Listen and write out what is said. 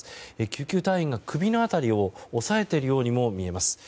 救急隊員が首の辺りを押さえているようにも見えます。